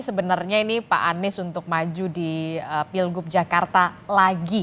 sebenarnya ini pak anies untuk maju di pilgub jakarta lagi